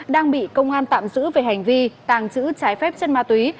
đang bị công an tạm giữ về hành vi tàng trữ trái phép chất ma túy